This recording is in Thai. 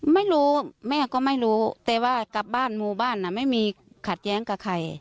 แม่ก็ไม่รู้แต่ว่ากลับบ้านหมู่บ้านไม่มีขัดแย้งกับใคร